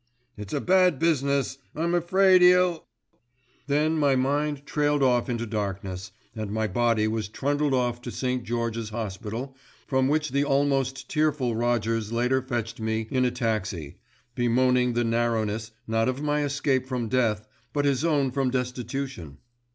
"It's a bad business, I'm afraid 'e'll——" Then my mind trailed off into darkness and my body was trundled off to St. George's Hospital, from which the almost tearful Rogers later fetched me in a taxi, bemoaning the narrowness, not of my escape from death, but his own from destitution.